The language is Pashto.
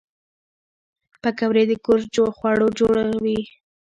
پکورې د کور جوړو خوښېږي